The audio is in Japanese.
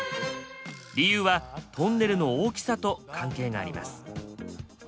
理由はトンネルの大きさと関係があります。